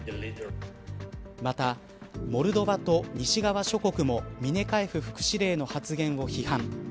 また、モルドバと西側諸国もミネカエフ副司令の発言を批判。